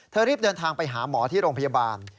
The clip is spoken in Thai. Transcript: รีบเดินทางไปหาหมอที่โรงพยาบาล